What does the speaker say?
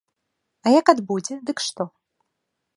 А як адбудзе, дык што?